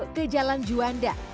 keser yuk ke jalan juanda